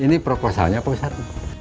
ini prokosanya pak ustadz